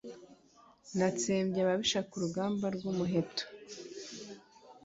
Natsembye ababisha ku rugamba rw’umuheto.